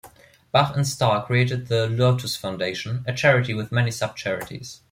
Bach and Starr created The Lotus Foundation, a charity with many sub-charities.